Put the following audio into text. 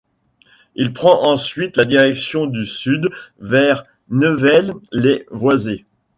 Il prend ensuite la direction du sud vers Neuvelle-lès-Voisey.